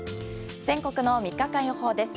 全国の３日間予報です。